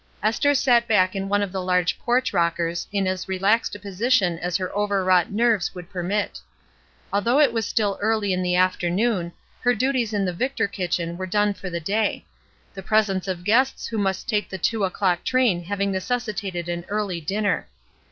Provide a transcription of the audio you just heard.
Esther sat back in one of the large porch rockers in as relaxed a position as her overwrought nerves would permit. Although it was still early in the afternoon, her duties in the Victor kitchen were 87 88 ESTER RIED'S NAMESAKE done for the day; the presence of guests who must take the two o'clock train having necessi tated an early dinner.